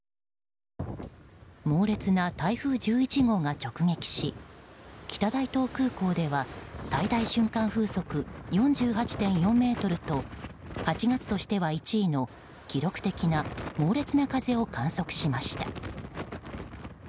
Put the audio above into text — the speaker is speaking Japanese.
猛烈な台風１１号が直撃し北大東空港では最大瞬間風速４８．４メートルと８月としては１位の記録的な猛烈な風を観測しました。